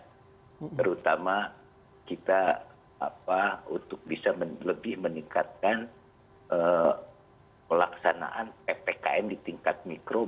terutama kita untuk bisa lebih meningkatkan pelaksanaan ppkm di tingkat mikro